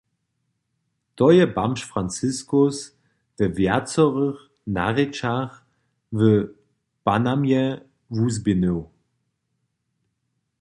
To je bamž Franziskus we wjacorych narěčach w Panamje wuzběhnył.